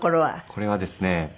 これはですね